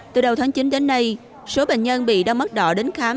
từ đầu tháng chín đến nay số bệnh nhân bị đau mắt đỏ đến khám